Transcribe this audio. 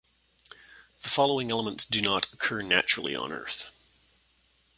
The following elements do not occur naturally on Earth.